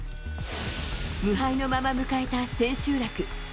無敗のまま迎えた千秋楽。